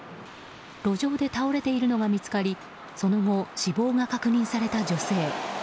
路上で倒れているのが見つかりその後、死亡が確認された女性。